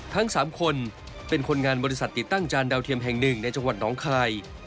ทั้ง๓คนเป็นคนงานบริษัทติดตั้งจานดาวเทียมแห่งหนึ่งในจังหวัดน้องคาย